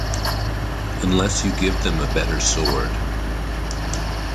Unless you give them a better sword